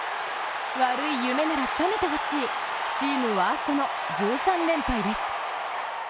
悪い夢なら覚めてほしいチームワーストの１３連敗です。